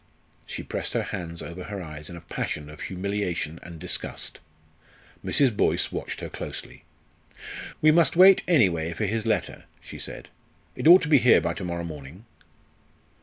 She pressed her hands over her eyes in a passion of humiliation and disgust. Mrs. Boyce watched her closely. "We must wait, anyway, for his letter," she said. "It ought to be here by to morrow morning."